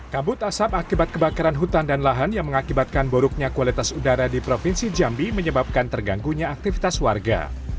kabut asap akibat kebakaran hutan dan lahan yang mengakibatkan buruknya kualitas udara di provinsi jambi menyebabkan terganggunya aktivitas warga